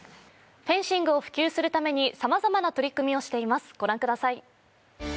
フェンシングを普及するために様々な取り組みをしていますご覧ください